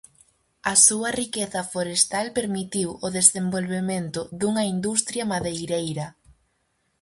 A súa riqueza forestal permitiu o desenvolvemento dunha industria madeireira.